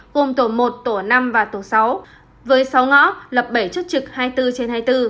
gồm tổ một tổ năm và tổ sáu với sáu ngõ lập bảy chốt trực hai mươi bốn trên hai mươi bốn